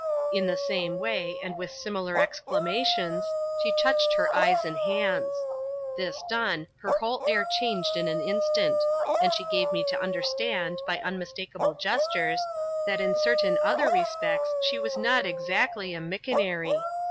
In the same way, and with similar exclamations, she touched her eyes and hands. This done, her whole air changed in an instant; and she gave me to understand, by unmistakable gestures, that in certain other respects she was not exactly a " mickonaree."